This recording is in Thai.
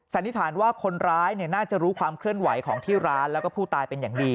สันนิษฐานว่าคนร้ายน่าจะรู้ความเคลื่อนไหวของที่ร้านแล้วก็ผู้ตายเป็นอย่างดี